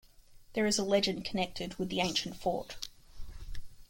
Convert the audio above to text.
There is a legend connected with the ancient fort.